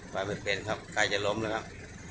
ไปไม่เป็นครับใกล้จะล้มแล้วครับ